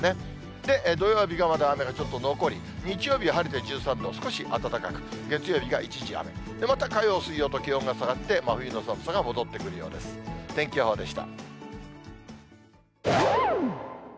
で、土曜日がまだ雨がちょっと残り、日曜日は晴れて１３度、少し暖かく、月曜日が一時雨、また火曜、水曜と気温が下がって、真冬の寒まあＰＳＢはイクとしてイクとして？